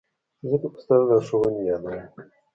زه د استاد لارښوونې یادوم.